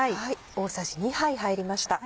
大さじ２杯入りました。